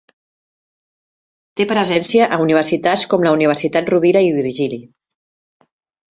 Té presència a universitats com la Universitat Rovira i Virgili.